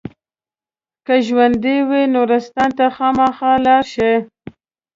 که ژوندي وئ نورستان ته خامخا لاړ شئ.